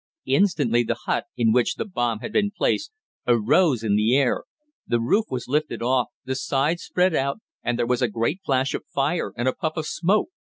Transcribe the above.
Instantly the hut, in which the bomb had been placed, arose in the air. The roof was lifted off, the sides spread out and there was a great flash of fire and a puff of smoke.